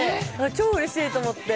超うれしいと思って。